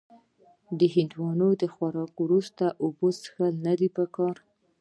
د هندوانې د خوراک وروسته اوبه څښل نه دي پکار.